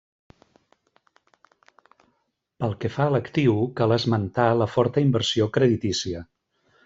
Pel que fa a l'actiu, cal esmentar la forta inversió creditícia.